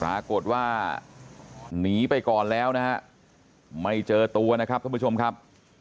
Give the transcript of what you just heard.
ปรากฏว่าหนีไปก่อนแล้วนะฮะไม่เจอตัวนะครับท่านผู้ชมครับ